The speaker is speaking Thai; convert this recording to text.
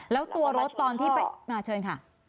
แล้วตัวรถตอนที่ไปมาเชิญค่ะ